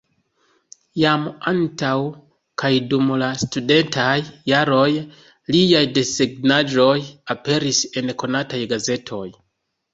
Jam antaŭ kaj dum la studentaj jaroj liaj desegnaĵoj aperis en konataj gazetoj.